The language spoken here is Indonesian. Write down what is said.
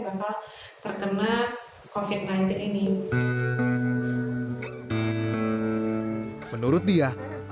anak anak adalah populasi yang unik